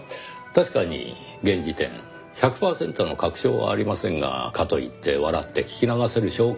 確かに現時点１００パーセントの確証はありませんがかといって笑って聞き流せる証拠もない。